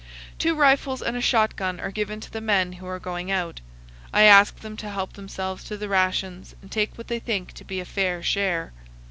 Two rifles and a shotgun are given to the men who are going out. I ask them to help themselves to the rations and take what they think to be a fair share.